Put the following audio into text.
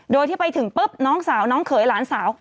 โดยที่ไปถึงปุ๊บน้องสาวน้องเขยหลานสาว